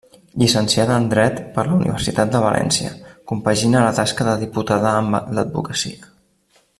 Llicenciada en dret per la Universitat de València, compagina la tasca de diputada amb l'advocacia.